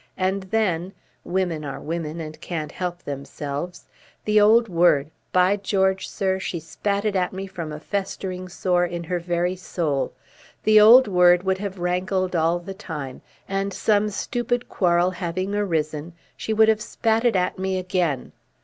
And then women are women and can't help themselves the old word by George, sir, she spat it at me from a festering sore in her very soul the old word would have rankled all the time, and some stupid quarrel having arisen, she would have spat it at me again.